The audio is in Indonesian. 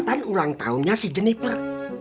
dan ulang tahunnya si jeniper